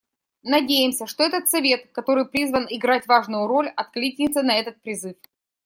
Надеемся, что этот Совет, который призван играть важную роль, откликнется на этот призыв.